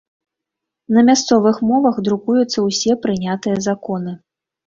На мясцовых мовах друкуюцца ўсе прынятыя законы.